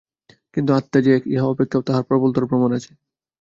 কিন্তু আত্মা যে এক, ইহা অপেক্ষাও তাহার প্রবলতর প্রমাণ আছে।